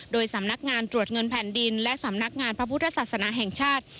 โดยสำนักงานตรวจเงินแผ่นดินและสำนักงานพระพุทธศาสนาแห่งชาติ